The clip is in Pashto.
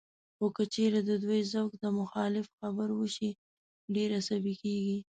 خو که چېرې د دوی ذوق ته مخالف خبره وشي، ډېر عصبي کېږي